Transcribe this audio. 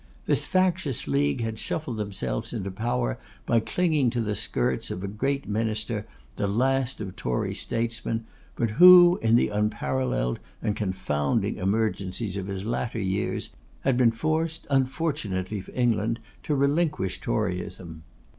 This factious league had shuffled themselves into power by clinging to the skirts of a great minister, the last of Tory statesmen, but who, in the unparalleled and confounding emergencies of his latter years, had been forced, unfortunately for England, to relinquish Toryism.